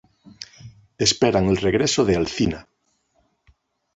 Esperan el regreso de Alcina.